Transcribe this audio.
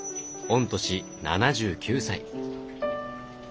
御年７９歳。